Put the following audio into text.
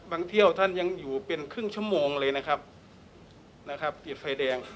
บางที่ท่านยังอยู่เป็นครึ่งชั่วโมงเลยนะครับติดไฟแดง